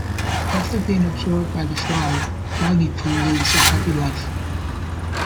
After being absorbed by the flower, Doggy Poo lives "a happy life".